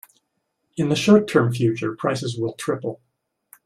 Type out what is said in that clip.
In the short term future, prices will triple.